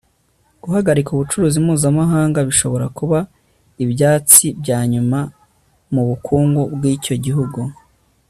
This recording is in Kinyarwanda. guhagarika ubucuruzi mpuzamahanga bishobora kuba ibyatsi byanyuma mubukungu bwicyo gihugu